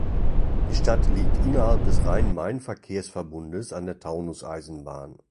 Die Stadt liegt innerhalb des Rhein-Main-Verkehrsverbundes an der Taunus-Eisenbahn.